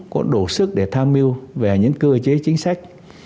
có đủ sức để tham mưu về những cơ chế chính sách